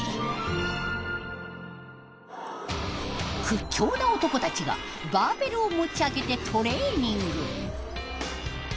屈強な男たちがバーベルを持ち上げてトレーニング。